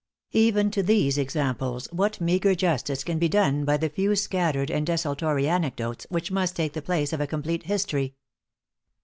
Even to these examples what meagre justice can be done by the few scattered and desultory anecdotes which must take the place of a complete history!